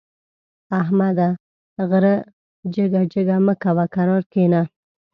احمده! غره جګه جګه مه کوه؛ کرار کېنه.